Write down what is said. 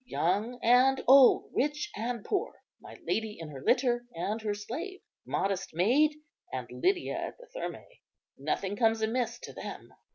Young and old, rich and poor, my lady in her litter and her slave, modest maid and Lydia at the Thermæ, nothing comes amiss to them.